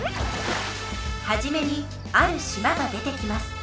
はじめにある島が出てきます。